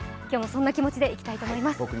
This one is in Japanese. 今日もそんな気持ちでいきたいと思います。